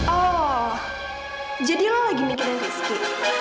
oh jadi lo lagi mikirin rizky